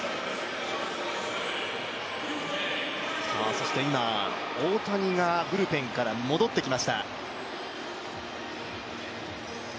そして今、大谷がブルペンから戻ってきました。